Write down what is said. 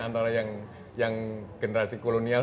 antara yang generasi kolonial